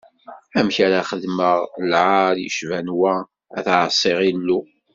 Amek ara xedmeɣ lɛaṛ yecban wa, ad ɛaṣiɣ Illu?